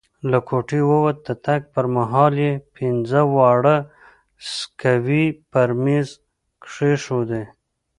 له کوټې ووت، د تګ پر مهال یې پینځه واړه سکوې پر میز کښېښودې.